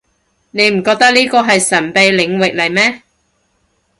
你唔覺呢個係神秘領域嚟咩